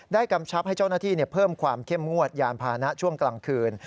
กำชับให้เจ้าหน้าที่เพิ่มความเข้มงวดยานพานะช่วงกลางคืน